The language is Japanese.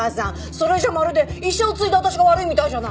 それじゃまるで医者を継いだ私が悪いみたいじゃない！